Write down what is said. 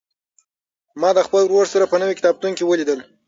ما د خپل ورور سره په نوي کتابتون کې ولیدل.